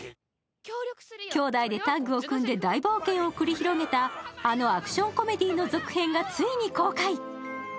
兄弟でタッグを組んで大冒険を繰り広げたあのアクションコメディーの続編が、ついに公開。